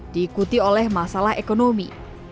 diikuti oleh masalah ekonomi